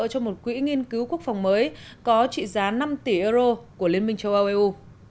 cho một quỹ nghiên cứu quốc phòng mới có trị giá năm tỷ euro của liên minh châu âu eu